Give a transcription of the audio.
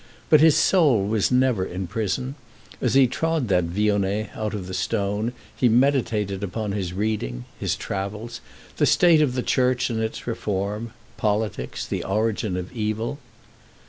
But his soul was never in prison. As he trod that vionnet out of the stone he meditated upon his reading, his travels, the state of the Church and its reform, politics, the origin of evil.